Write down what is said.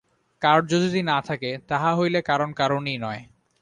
কার্য যদি না থাকে, তাহা হইলে কারণ কারণই নয়।